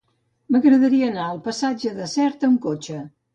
M'agradaria anar al passatge de Sert amb cotxe.